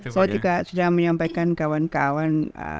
saya juga sudah menyampaikan kawan kawan